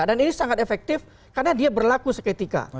dan ini sangat efektif karena dia berlaku seketika